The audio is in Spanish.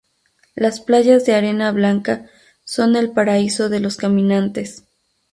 Las playas de arena blanca son el paraíso de los caminantes.